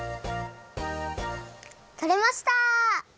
とれました！